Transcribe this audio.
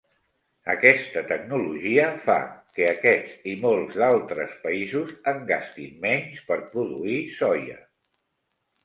Aquesta tecnologia fa que aquest i molts d'altres països en gastin menys per produir soia.